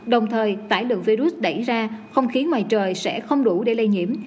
đồng thời tải lượng virus đẩy ra không khí ngoài trời sẽ không đủ để lây nhiễm